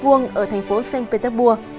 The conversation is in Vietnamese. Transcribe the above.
ở thành phố st petersburg